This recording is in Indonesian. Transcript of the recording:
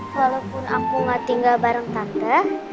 walaupun aku gak tinggal bareng tanda